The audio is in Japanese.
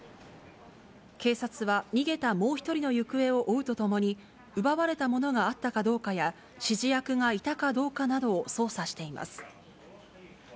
警察は逃げたもう１人の行方を追うとともに、奪われたものがあったかどうかや、指示役がいたかどうかなどを捜査しています。